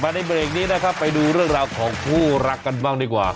ในเบรกนี้นะครับไปดูเรื่องราวของคู่รักกันบ้างดีกว่า